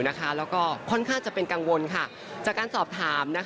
แล้วก็ค่อนข้างจะเป็นกังวลจากการสอบถาม